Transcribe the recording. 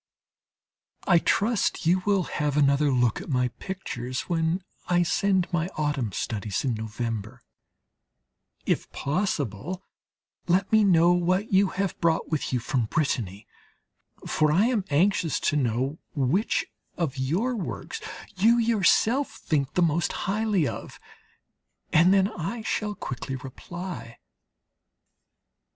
I trust you will have another look at my pictures when I send my autumn studies in November; if possible, let me know what you have brought with you from Brittany; for I am anxious to know which of your works you yourself think the most highly of. And then I shall quickly reply.